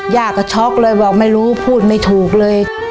ย่าก็ช็อกเลยบอกไม่รู้พูดไม่ถูกเลย